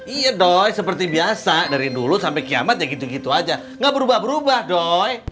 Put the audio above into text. iya dong seperti biasa dari dulu sampai kiamat ya gitu gitu aja gak berubah berubah dong